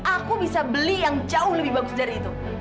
aku bisa beli yang jauh lebih bagus dari itu